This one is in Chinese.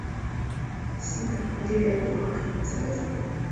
台西南盆地的构造演化可以分为三个阶段。